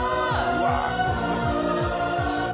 うわすごい。